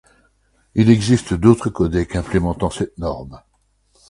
Il existe d'autres codecs implémentant cette norme.